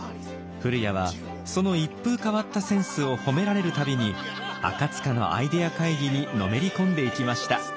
古谷はその一風変わったセンスを褒められる度に赤のアイデア会議にのめり込んでいきました。